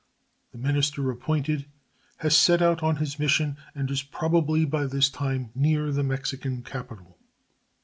The minister appointed has set out on his mission and is probably by this time near the Mexican capital.